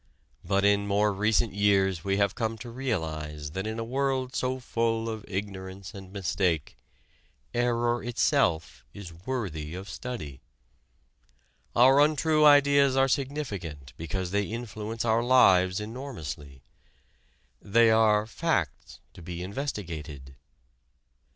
But in more recent years we have come to realize that, in a world so full of ignorance and mistake, error itself is worthy of study. Our untrue ideas are significant because they influence our lives enormously. They are "facts" to be investigated.